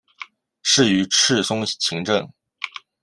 仕于赤松晴政。